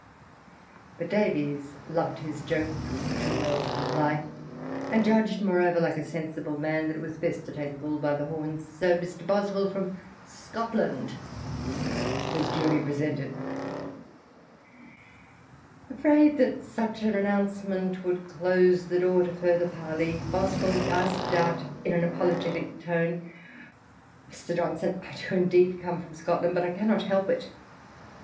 But Davies loved his joke too well to comply, and judged, moreover, like a sensible man, that it was best to take the bull by the hom% so "Mr. Boswell from Scotland" was duly presented Afraid that such an announcement would close the door to further parley, Boswell gasped out in apologetic tones — "Mr. Johnson, I do indeed come from Scotland — but I cannot help it